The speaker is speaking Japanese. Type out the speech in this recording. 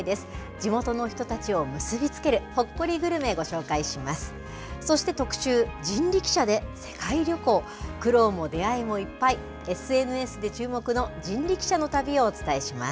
地元の人たちを結び付けるほっこりグルメ、ご紹介します。